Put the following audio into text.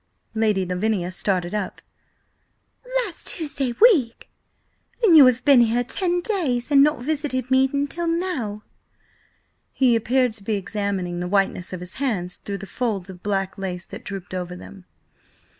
Lady Lavinia started up. "Last Tuesday week? Then you have been here ten days and not visited me until now!" He appeared to be examining the whiteness of his hands through the folds of black lace that drooped over them.